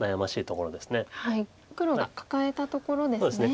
黒がカカえたところですね。